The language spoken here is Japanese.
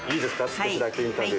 少しだけインタビュー」